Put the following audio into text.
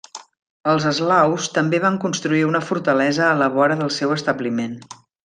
Els eslaus també van construir una fortalesa a la vora del seu establiment.